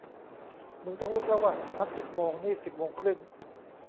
มึงต้องลุกแล้วว่ะ นัดสิบโมง นี่สิบโมงครึ่ง